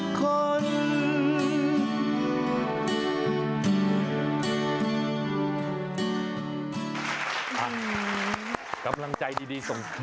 โพสต์คลิปการเข้าแถวของเจ้าหน้าที่ทางการแพทย์